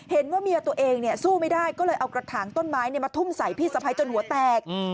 เห็นว่าเมียตัวเองสู้ไม่ได้ก็เลยเอากระถางต้นไม้มาทุ่มใส่พี่สะพ้ายจนหัวแตก